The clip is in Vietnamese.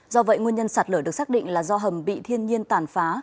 do vậy nguyên nhân sạt lở được xác định là do hầm bị thiên nhiên tàn phá